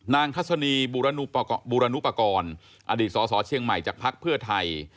ทัศนีบูรณุปกรณ์อดีตสสเชียงใหม่จากภักดิ์เพื่อไทย